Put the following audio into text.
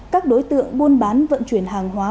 các đối tượng buôn bán vận chuyển hàng hóa